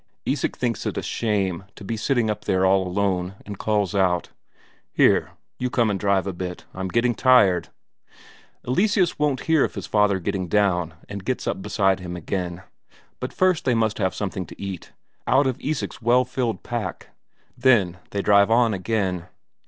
Isak thinks it a shame to be sitting up there all alone, and calls out: "Here, you come and drive a bit; I'm getting tired." Eleseus won't hear of his father getting down, and gets up beside him again. But first they must have something to eat out of Isak's well filled pack. Then they drive on again.